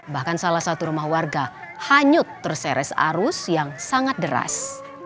bahkan salah satu rumah warga hanyut terseret arus yang sangat deras